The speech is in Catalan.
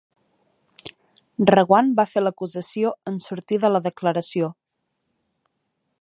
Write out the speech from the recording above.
Reguant va fer l'acusació en sortir de la declaració